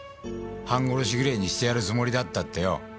半殺しぐれぇにしてやるつもりだったってよ。